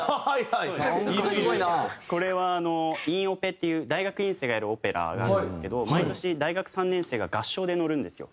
これはあの院オペっていう大学院生がやるオペラがあるんですけど毎年大学３年生が合唱でのるんですよ。